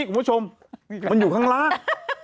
คุณผู้ชมมันอยู่ข้างล่าง